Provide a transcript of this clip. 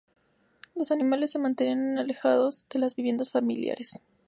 Los animales se mantienen alejados de las viviendas familiares.